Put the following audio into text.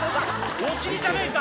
お尻じゃねえか！